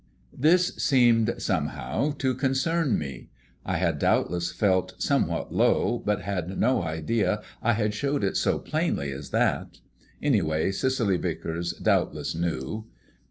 _" This seemed somehow to concern me. I had doubtless felt somewhat low, but had no idea I had showed it so plainly as that. Anyway, Cicely Vicars doubtless knew.